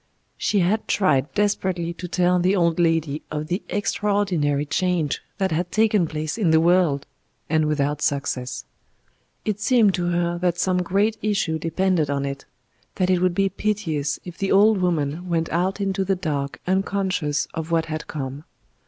She had tried desperately to tell the old lady of the extraordinary change that had taken place in the world and without success. It seemed to her that some great issue depended on it; that it would be piteous if the old woman went out into the dark unconscious of what had come.